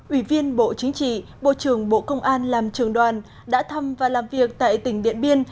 ủy viên bộ chính trị bộ trưởng bộ công an làm trường đoàn đã thăm và làm việc tại tỉnh điện biên